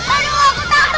aduh aku takut bu